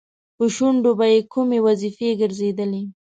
په شونډو به یې کومې وظیفې ګرځېدلې؟